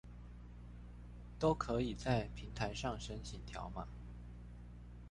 都可以在平台上申請條碼